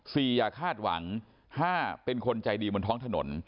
อย่าคาดหวังห้าเป็นคนใจดีบนท้องถนน